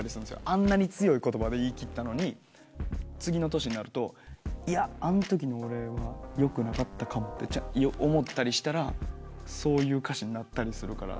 あんなに強い言葉で言い切ったのに次の年になると「いや。あんときの俺はよくなかったかも」って思ったりしたらそういう歌詞になったりするから。